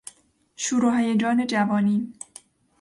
شور و هیجان جوانی